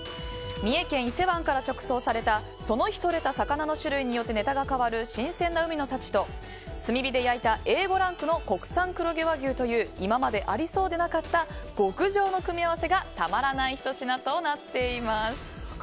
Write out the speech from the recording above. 三重県伊勢湾から直送されたその日とれた魚の種類によって変わる海の幸と炭火で焼いたＡ５ランクの国産黒毛和牛という今までありそうでなかった極上の組み合わせがたまらない一品となっております。